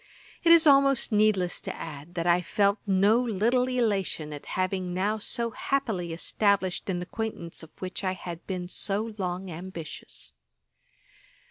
It is almost needless to add, that I felt no little elation at having now so happily established an acquaintance of which I had been so long ambitious.